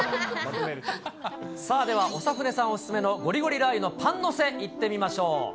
さあ、では長船さんお勧めのゴリゴリラー油のパン載せいってみましょう。